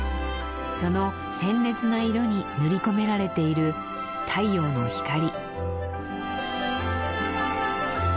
その鮮烈な色に塗り込められている太陽の光。